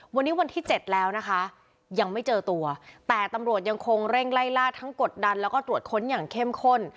วันนี้วันที่เจ็ดแล้วนะคะยังไม่เจอตัวแต่ตำรวจยังคงเร่งไล่ล่าทั้งกดดันแล้วก็ตรวจค้นอย่างเข้มข้น